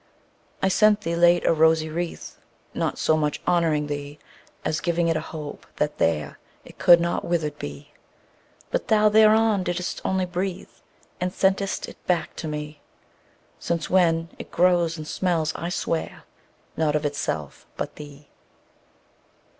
I sent thee, late, a rosy wreath, Not so much honouring thee, As giving it a hope, that there It could not withered be. But thou thereon didst only breathe, And sent'st back to me: Since when it grows, and smells, I swear, Not of itself, but thee.